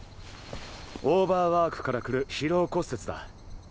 オーバーワークからくる疲労骨折だ。